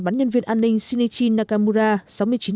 bán nhân viên an ninh shinichi nakamura sáu mươi chín tuổi bị thương